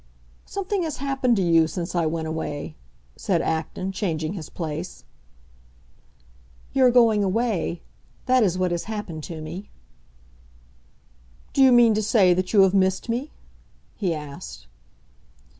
"Something has happened to you since I went away," said Acton, changing his place. "Your going away—that is what has happened to me." "Do you mean to say that you have missed me?" he asked.